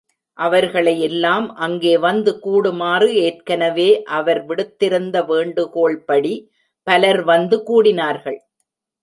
அவர்களை எல்லாம் அங்கே வந்து கூடுமாறு ஏற்கெனவே அவர் விடுத்திருந்த வேண்டுகோள்படி பலர் வந்து கூடினார்கள்.